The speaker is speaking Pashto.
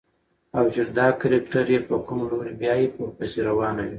او چې دا کرکټر يې په کوم لوري بيايي ورپسې روانه وي.